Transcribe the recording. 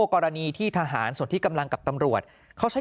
กรณีที่ทหารส่วนที่กำลังกับตำรวจเขาใช้